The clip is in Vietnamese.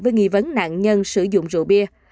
với nghi vấn nạn nhân sử dụng rượu bia